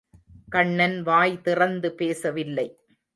கண்ணன் வாய் திறந்து பேசவில்லை.